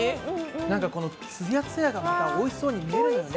なんかこのつやつやがまたおいしそうに見えるのよね。